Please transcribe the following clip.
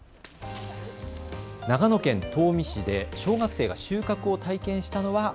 長野県東御市で小学生が収穫を体験したのは。